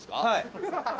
はい。